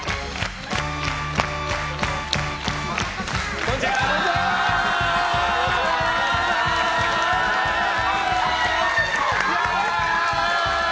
こんにちはー！